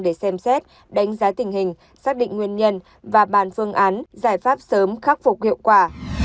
để xem xét đánh giá tình hình xác định nguyên nhân và bàn phương án giải pháp sớm khắc phục hiệu quả